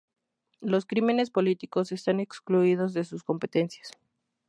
Los crímenes políticos están excluidos de sus competencias.